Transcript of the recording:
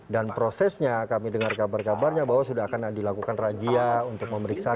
dan prosesnya kami dengar kabar kabarnya bahwa sudah akan dilakukan rajia untuk memeriksa